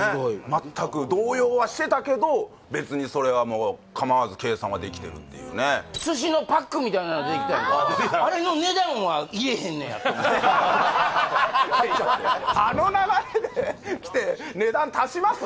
全く動揺はしてたけど別にそれはもう構わず計算はできてるっていうね寿司のパックみたいなの出てきたやんかと思ってあの流れできて値段足します？